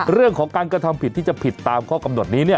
เรื่องของการกระทำผิดที่จะผิดตามข้อกำหนดนี้